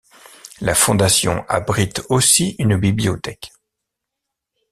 La fondation abrite aussi une bibliothèque.